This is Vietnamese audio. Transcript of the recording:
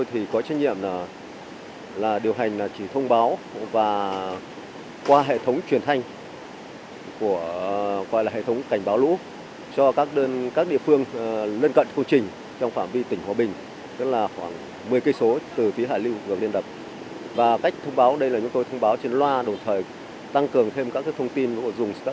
hồ thủy điện hòa bình là hồ đa mục tiêu